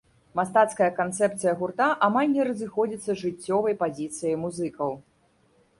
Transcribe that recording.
Мастацкая канцэпцыя гурта амаль не разыходзіцца з жыццёвай пазіцыяй музыкаў.